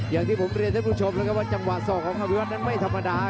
อย่างที่ผมเรียนให้ผู้ชมจังหวาสอกของอภิวัตไม่ธรรมดา